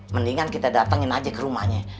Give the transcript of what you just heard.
mendingan kita datangin aja ke rumahnya